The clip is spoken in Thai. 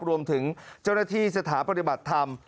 รวมถึงเจ้าหน้าที่สถาปฏิบัติธรรม